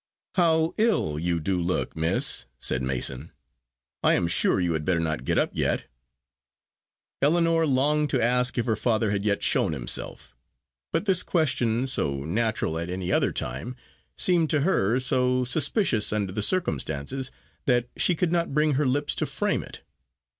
"How ill you do look, miss!" said Mason. "I am sure you had better not get up yet." Ellinor longed to ask if her father had yet shown himself; but this question so natural at any other time seemed to her so suspicious under the circumstances, that she could not bring her lips to frame it.